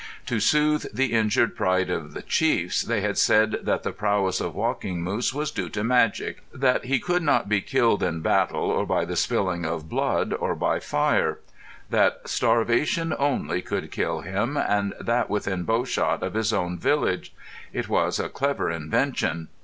To soothe the injured pride of the chiefs they had said that the prowess of Walking Moose was due to magic; that he could not be killed in battle, or by the spilling of blood, or by fire; that starvation only could kill him, and that within bowshot of his own village. It was a clever invention.